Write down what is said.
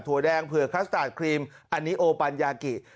แดงเผื่อคลาสตาร์ทครีมอันนี้โอปัญญากิ